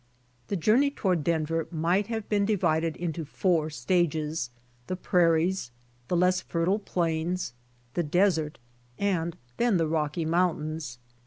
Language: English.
The journey toward Denver might have been divided into four stages, — the prairies, the less fertile plains, the desert, and then the Rocky mountains.